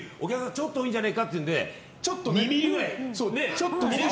ちょっと多いんじゃないかっていうので２ｍｍぐらい。